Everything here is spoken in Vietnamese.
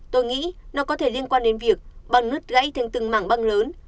tôi nghĩ nó có thể liên quan đến việc bằng nứt gãy thành từng mảng băng lớn